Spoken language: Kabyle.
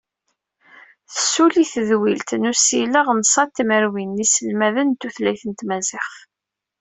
Tessuli tedwilt n usileɣ n ṣa tmerwin n yiselmaden n tutlayt n tmaziɣt.